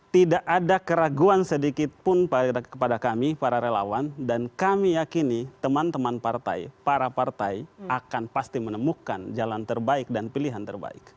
tidak ada keraguan sedikitpun kepada kami para relawan dan kami yakini teman teman partai para partai akan pasti menemukan jalan terbaik dan pilihan terbaik